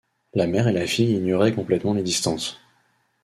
La mère et la fille ignoraient complètement les distances.